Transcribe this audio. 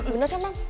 bener kan mam